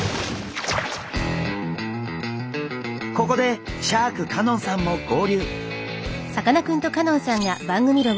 ここでシャーク香音さんも合流！